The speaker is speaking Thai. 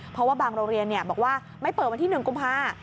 เพราะว่าบางโรงเรียนบอกว่าไม่เปิดวันที่๑กุมภา